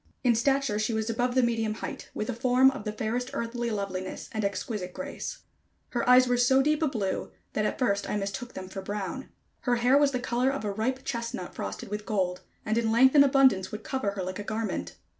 In stature she was above the medium height, with a form of the fairest earthly loveliness and exquisite grace. Her eyes were so deep a blue, that at first I mistook them for brown. Her hair was the color of a ripe chestnut frosted with gold, and in length and abundance would cover her like a garment.